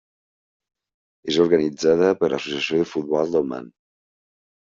És organitzada per l'Associació de Futbol d'Oman.